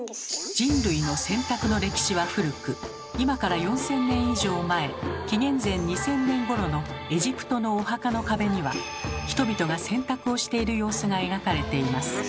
人類の洗濯の歴史は古く今から４，０００年以上前紀元前２０００年ごろのエジプトのお墓の壁には人々が洗濯をしている様子が描かれています。